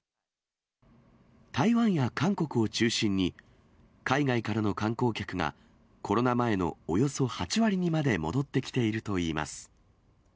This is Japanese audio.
台湾や韓国を中心に、海外からの観光客が、コロナ前のおよそ８割にまで戻ってきているといいます。